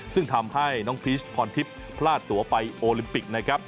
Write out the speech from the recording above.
ซึ่งทำให้น้องพีชพรทิพย์พลาดตัวไปโอลิมปิกนะครับ